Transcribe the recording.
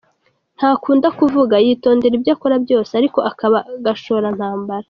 Ntakunda kuvuga, yitondera ibyo akora byose ariko akaba gashozantambara.